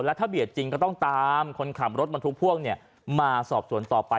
แล้วถ้าเบียดจริงก็ต้องตามคนข่ามรถมาทุกพวกเนี่ยมาสอบส่วนต่อไป